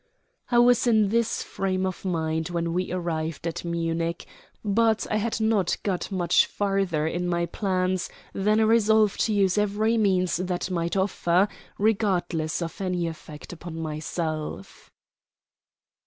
I was in this frame of mind when we arrived at Munich; but I had not got much farther in my plans than a resolve to use every means that might offer, regardless of any effect upon myself.